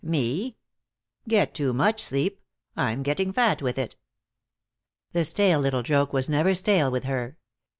"Me? Get too much sleep. I'm getting fat with it." The stale little joke was never stale with her.